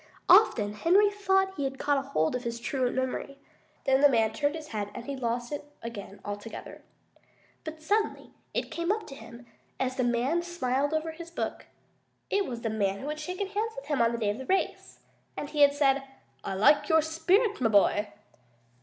Often Henry thought he had caught hold of his truant memory. Then the man turned his head and he lost it again altogether. But suddenly it came to him, as the man smiled over his book it was the man who had shaken hands with him on the day of the race! And he had said, "I like your spirit, my boy."